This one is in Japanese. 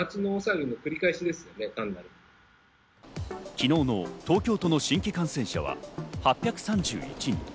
昨日の東京都の新規感染者は８３１人。